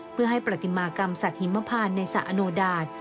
เพื่อให้ปฏิมากรรมสัตว์หิมพานในสระอโนดาต